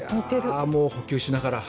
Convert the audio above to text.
もう補給しながら。